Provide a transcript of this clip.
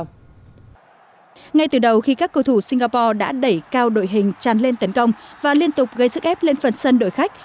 ngay từ đầu khi các cầu thủ singapore đã đẩy cao đội hình tràn lên tấn công và liên tục gây sức ép lên phần sân đội khách